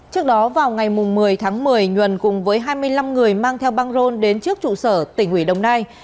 trước đó vào ngày một mươi tháng một mươi nguyền cùng với hai mươi năm người mang theo băng rôn đến trước trụ sở tỉnh hủy đồng nai